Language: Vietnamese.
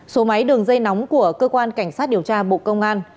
số máy đường dây nóng của cơ quan cảnh sát điều tra bộ công an